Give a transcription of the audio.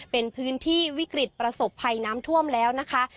เป็นพื้นที่วิกฤตประสบภัยน้ำท่วมแล้วนะคะ